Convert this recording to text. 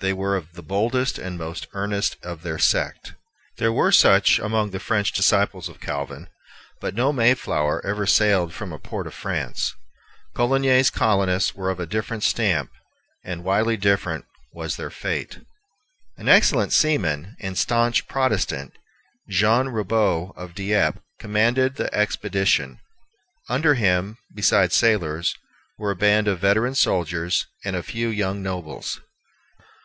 They were of the boldest and most earnest of their sect. There were such among the French disciples of Calvin; but no Mayflower ever sailed from a port of France. Coligny's colonists were of a different stamp, and widely different was their fate. An excellent seaman and stanch Protestant, Jean Ribaut of Dieppe, commanded the expedition. Under him, besides sailors, were a band of veteran soldiers, and a few young nobles.